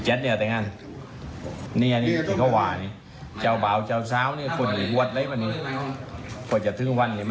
ต้องขยันตำรวจตำรวจธรรมนาติตรงนี้